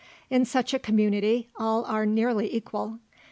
In such a community, all are nearly equal.